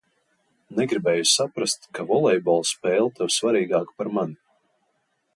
Negribēju saprast, ka volejbola spēle tev svarīgāka par mani.